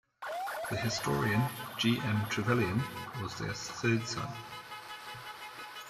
The historian G. M. Trevelyan was their third son.